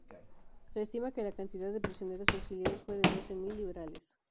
Se estima que la cantidad de prisioneros o exiliados fue de doce mil liberales.